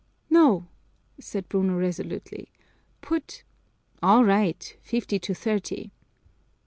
"No," said Bruno resolutely. "Put " "All right! Fifty to thirty!"